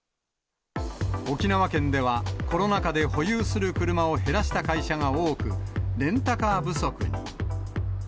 沖縄県では、コロナ禍で保有する車を減らした会社が多く、レンタカー不足に。